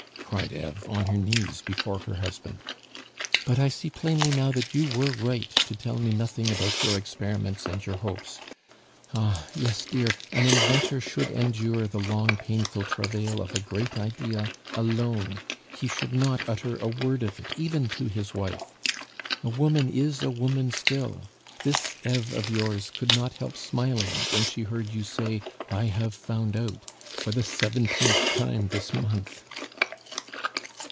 cried Eve, on her knees before her husband. "But I see plainly now that you were right to tell me nothing about your experiments and your hopes. Ah! yes, dear, an inventor should endure the long painful travail of a great idea alone, he should not utter a word of it even to his wife .... A woman is a woman still. This Eve of yours could not help smiling when she heard you say, 'I have found out,' for the seventeenth time this month."